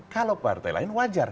kalau partai lain wajar